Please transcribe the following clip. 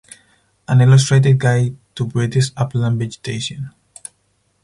An Illustrated Guide to British Upland Vegetation.